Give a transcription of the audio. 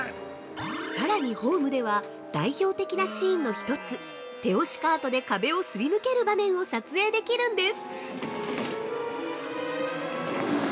◆さらにホームでは、代表的なシーンの一つ、手押しカートで壁をすり抜ける場面を撮影できるんです。